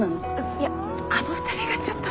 いやあの２人がちょっと。